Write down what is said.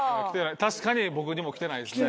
確かに僕にも来てないですね。